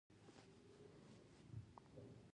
انګلیسي د ژبني تبادلې وسیله ده